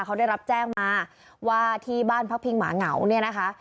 เขาได้รับแจ้งมาว่าที่บ้านพักพิงหมาเหงาเนี่ยนะคะ